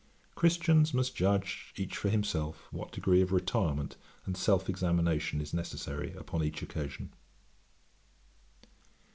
Christians must judge each for himself, what degree of retirement and self examination is necessary upon each occasion.